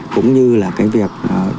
cũng như là cái việc